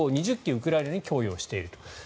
ウクライナに供与していると。